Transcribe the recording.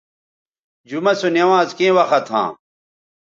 جمعہ سو نوانز کیں وخت ھاں